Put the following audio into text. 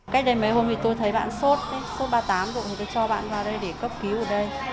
cách đây mấy hôm thì tôi thấy bạn sốt sốt ba mươi tám độ thì tôi cho bạn vào đây để cấp cứu ở đây